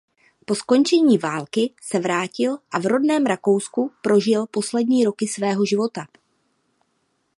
Po skončení války se vrátil a v rodném Rakousku prožil poslední roky svého života.